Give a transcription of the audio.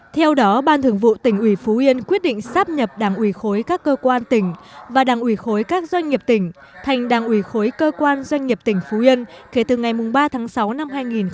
theo đó ban thường vụ tỉnh ủy phú yên quyết định sáp nhập đảng ủy khối các cơ quan tỉnh và đảng ủy khối các doanh nghiệp tỉnh thành đảng ủy khối cơ quan doanh nghiệp tỉnh phú yên kể từ ngày ba tháng sáu năm hai nghìn một mươi chín